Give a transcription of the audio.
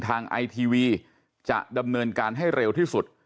ไอทีวีจะดำเนินการให้เร็วที่สุด